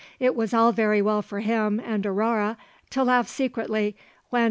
It was all very well for him and Aurore to laugh secretly when M.